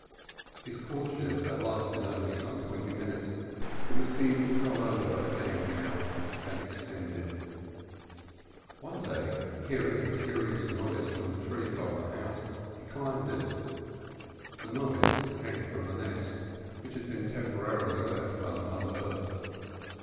His courtship had lasted only some twenty minutes; it was being gone over again now, and extended. One day, hearing a curious noise from the tree above the house, he climbed it. The noise came from the nest, which had been temporarily left by the mother bird.